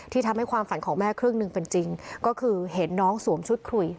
ทำให้ความฝันของแม่ครึ่งหนึ่งเป็นจริงก็คือเห็นน้องสวมชุดคุย